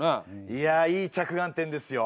いやいい着眼点ですよ。